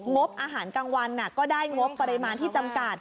งบอาหารกลางวันก็ได้งบประมาณที่จำกัด